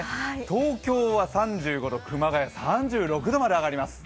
東京は３５度、熊谷３６度まで上がります。